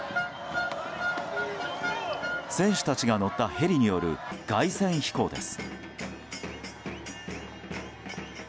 選手たちが乗ったヘリによる凱旋飛行です。